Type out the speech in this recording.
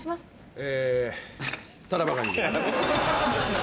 え！